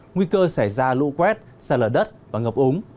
nguy cơ xảy ra lũ quét xa lở đất và ngập úng